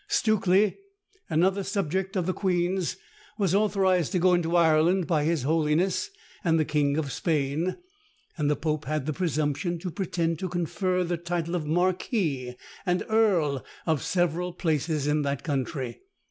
Stukely, another subject of the queen's, was authorised to go into Ireland by his holiness and the king of Spain; and the pope had the presumption to pretend to confer the title of marquis and earl of several places in that country.